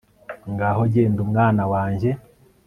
ngaho genda, mwana wanjye